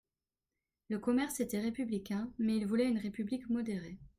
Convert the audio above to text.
Le commerce était républicain ; mais il voulait une République modérée.